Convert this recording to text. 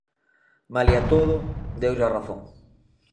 Malia todo, deulle a razón.